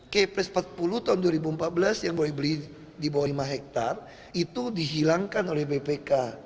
kepres empat puluh tahun dua ribu empat belas yang boleh beli di bawah lima hektare itu dihilangkan oleh bpk